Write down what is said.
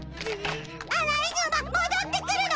アライグマ戻ってくるの！